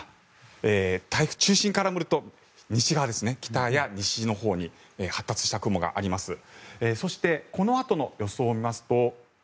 中心から見ると西や北のほうに発達した雲があります。